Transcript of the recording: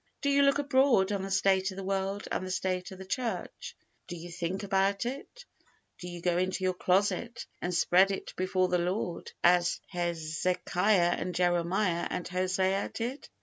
Do you look abroad on the state of the world, and the state of the church? Do you think about it? Do you go into your closet, and spread it before the Lord, as Hezekiah and Jeremiah and Hosea did?